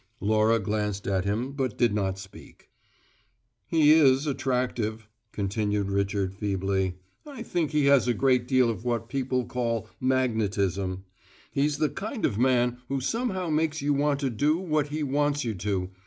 Laura glanced at him, but did not speak. "He is attractive," continued Richard feebly. "I think he has a great deal of what people call `magnetism': he's the kind of man who somehow makes you want to do what he wants you to.